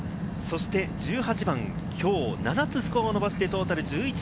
１８番、きょう７つスコアを伸ばしてトータル−１１。